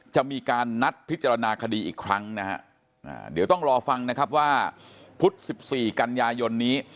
จะมีการนัดพิจารณาคดีอีกครั้งนะฮะเดี๋ยวต้องรอฟังนะครับว่าพุธ๑๔กันยายนนี้